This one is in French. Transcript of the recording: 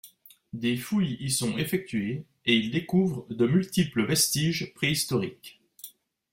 Des fouilles y sont effectuées et ils découvrent de multiples vestiges préhistoriques.